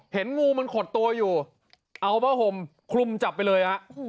เห็นงูมันขดตัวอยู่เอาผ้าห่มคลุมจับไปเลยฮะ